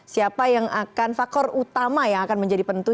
siapa yang akan faktor utama yang akan menjadi penentu